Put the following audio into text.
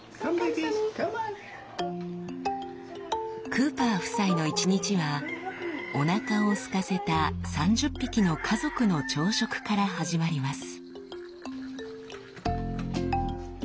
・クーパー夫妻の一日はおなかをすかせた３０匹の家族の朝食から始まります。